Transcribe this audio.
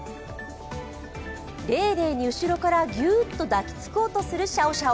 レイレイに後ろからギューっと抱きつこうとするシャオシャオ。